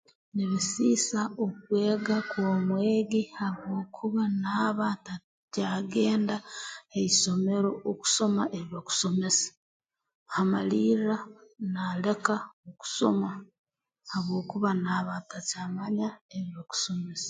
Nibisiisa okwega kw'omwegi habwokuba naaba atakyagenda ha isomero okusoma ebi bakusomesa amalirra naaleka okusoma habwokuba naaba atakyamanya ebi okusomesa